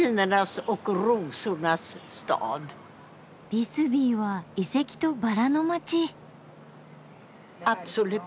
ビスビーは遺跡とバラの街。